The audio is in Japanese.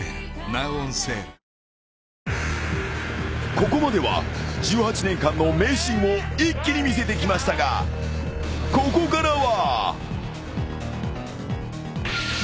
［ここまでは１８年間の名シーンを一気に見せてきましたがここからは］